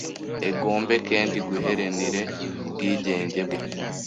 Egombe kendi guherenire ubwigenge bwe